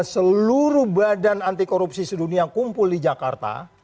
dua ribu dua belas seluruh badan anti korupsi sedunia kumpul di jakarta